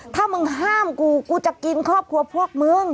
ถ้ามึงห้ามกูกูจะกินครอบครัวพวกมึง